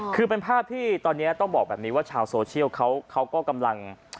คือเป็นภาพที่ตอนนี้ต้องบอกแบบนี้ว่าชาวโซเชียลเขาก็กำลัง